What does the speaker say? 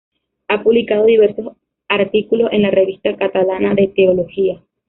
Ha publicado diversos artículos en la "Revista Catalana de Teología".